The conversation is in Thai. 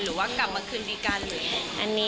หรือว่ากลับมาคืนดีกันหรืออย่างนี้